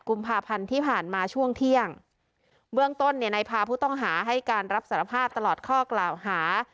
กุมภาพันธ์ที่ผ่านมาช่วงเที่ยงเบื้องต้นเนี่ยในพาผู้ต้องหาให้การรับสารภาพตลอดข้อกล่าวหา